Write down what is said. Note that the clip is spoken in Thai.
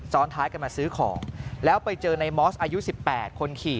ท้ายกันมาซื้อของแล้วไปเจอในมอสอายุ๑๘คนขี่